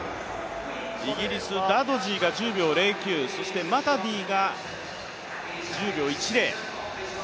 イギリス、ダドジーが１０秒０９、そしてマタディが１０秒１０。